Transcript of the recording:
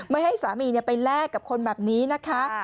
ไม่ให้สามีไปแลกกับคนแบบนี้นะคะ